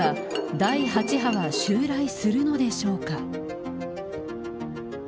第８波は襲来するのでしょうか。